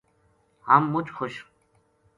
ہم مُچ خوش